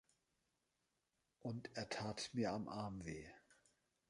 Und er tat mir am Arm weh.